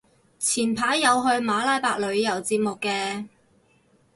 前排有去馬拉拍旅遊節目嘅